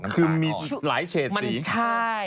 คือมีหลายเฉดสี